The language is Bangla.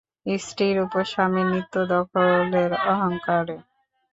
স্ত্রীর উপর স্বামীর নিত্য-দখলের অহংকারে?